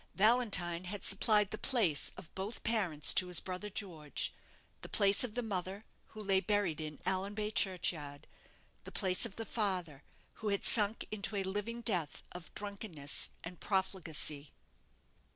Valentine had supplied the place of both parents to his brother George, the place of the mother, who lay buried in Allanbay churchyard; the place of the father, who had sunk into a living death of drunkenness and profligacy.